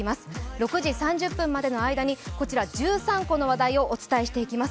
６時３０分までの間にこちら１３個の話題をお伝えしていきます。